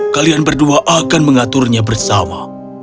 kalian berdua akan mengaturnya bersama